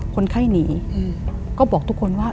คนไข้หนีก็บอกทุกคนว่า